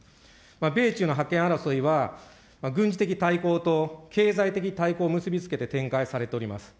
米中の覇権争いは、軍事的対抗と経済的対抗を結び付けて展開されております。